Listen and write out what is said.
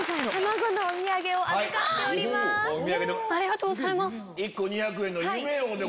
ありがとうございます。